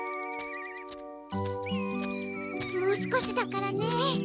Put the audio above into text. もう少しだからね。